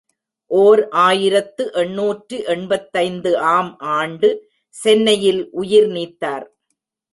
ஓர் ஆயிரத்து எண்ணூற்று எண்பத்தைந்து ஆம் ஆண்டு சென்னையில் உயிர் நீத்தார்.